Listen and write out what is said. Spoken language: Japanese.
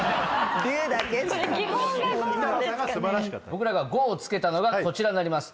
僕らが５を付けたのがこちらになります。